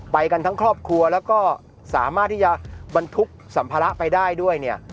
ไปกันทั้งครอบครัวแล้วก็สามารถที่จะบรรทุกสัมภาระไปได้ด้วยเนี่ย